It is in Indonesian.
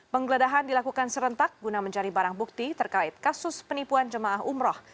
penggeledahan dilakukan serentak guna mencari barang bukti terkait kasus penipuan jemaah umroh